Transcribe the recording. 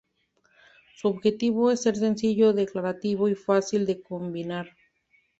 Su objetivo es ser sencillo, declarativo y fácil de combinar.